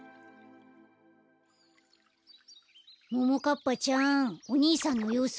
ももかっぱちゃんおにいさんのようすはどう？